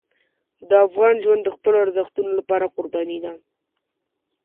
د افغان ژوند د خپلو ارزښتونو لپاره قرباني ده.